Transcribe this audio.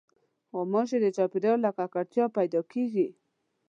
غوماشې د چاپېریال له ککړتیا پیدا کېږي.